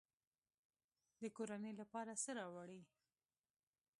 د کورنۍ لپاره څه راوړئ؟